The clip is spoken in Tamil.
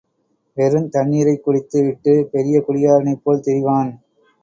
வெறுந் தண்ணீரைக் குடித்து விட்டுப் பெரிய குடிகாரனைப் போல் திரிவான்.